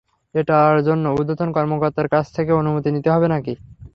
এটা জন্য ঊর্ধ্বতন কর্মকর্তার কাছ থেকে অনুমতি নিতে হবে নাকি?